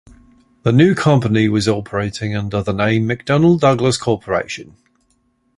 The new company was operating under the name: McDonnell Douglas Corporation.